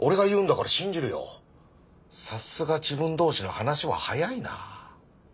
さすが自分同士の話は早いなあ。